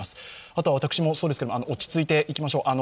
あとは私もそうですけど落ち着いていきましょう。